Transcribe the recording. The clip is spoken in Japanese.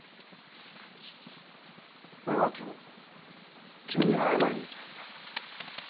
俺は今日君に謝りに来たんだ。